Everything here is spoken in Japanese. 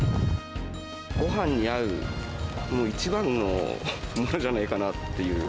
ごはんに合うもう一番のものじゃないかなっていう。